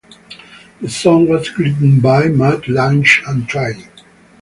The song was written by Mutt Lange and Twain.